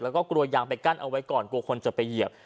แล้วก็กลัวยางไปกั้นเอาไว้ก่อนกลัวคนจะไปเหยียบ